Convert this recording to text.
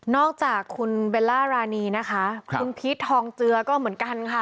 อกจากคุณเบลล่ารานีนะคะคุณพีชทองเจือก็เหมือนกันค่ะ